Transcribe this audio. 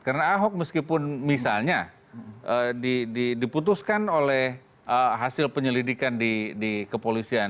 karena ahok meskipun misalnya diputuskan oleh hasil penyelidikan di kepolisian